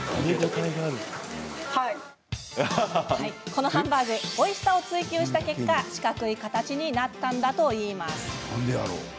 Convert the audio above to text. このハンバーグおいしさを追求した結果四角い形になったといいます。